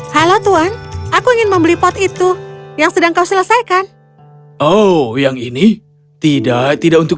halo tuan aku ingin membeli pot itu yang sedang kau selesaikan oh yang ini tidak tidak untuk